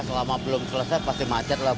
ya selama belum selesai pasti macet lah bu